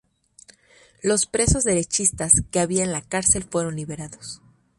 Los presos derechistas que había en la cárcel fueron liberados.